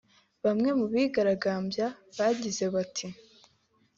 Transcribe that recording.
Bamwe mubigaragambya bagize bati